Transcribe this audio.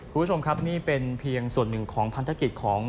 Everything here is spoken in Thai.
คุณผู้ชมครับนี่เป็นเพียงส่วนหนึ่งของพันธกิจของ